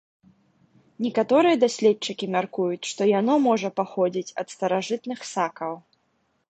Некаторыя даследчыкі мяркуюць, што яно можа паходзіць ад старажытных сакаў.